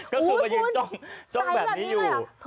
ก็คือมายืนจ้องแบบนี้อยู่